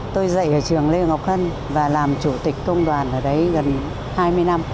tôi dạy ở trường lê ngọc hân và làm chủ tịch công đoàn ở đấy gần hai mươi năm